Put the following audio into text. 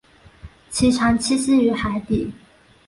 其常栖息于海底。